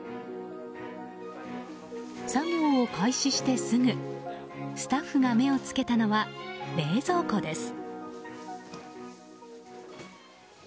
作業を開始してすぐスタッフが目を付けたのは冷蔵庫です。